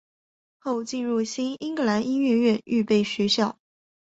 后进入新英格兰音乐院预备学校。